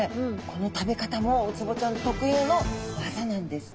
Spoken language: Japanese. この食べ方もウツボちゃん特有のわざなんです。